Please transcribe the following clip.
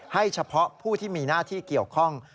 เฉพาะผู้ที่มีหน้าที่เกี่ยวข้อง